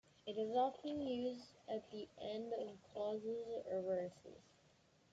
It is often used at the end of clauses or verses.